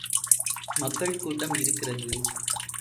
மக்கள் கூட்டம் இருக்கிறது.